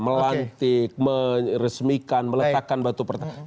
melantik meresmikan meletakkan batu pertama